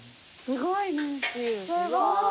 すごい。